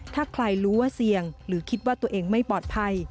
ถ้าใครรู้ว่าเสี่ยงหรือคิดว่าตัวเองไม่ปลอดภัย